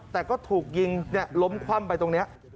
แต่ก็ถูกยิงล้มคว่ำไปตรงนี้